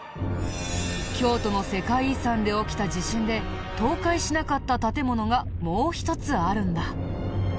京都の世界遺産で起きた地震で倒壊しなかった建物がもう一つあるんだ。